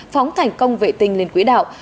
phóng thành công vệ tinh lên quỹ đạo